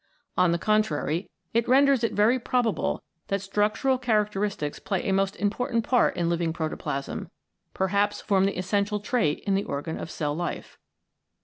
On the contrary, it renders it very probable that structural characteristics play a most im portant part in living protoplasm, perhaps form the essential trait in the organ of cell life.